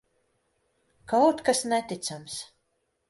Kaut kas neticams.